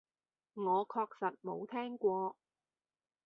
我確實冇聽過